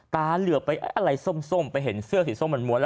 แล้วเลือกอะไรส้มไปเห็นเสื้อสีส้มเหมือนม้วน